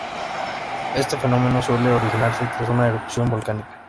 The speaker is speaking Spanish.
Este fenómeno suele originarse tras una erupción volcánica.